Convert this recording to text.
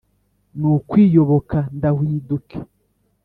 n’ukwiyoboka ndahwiduke.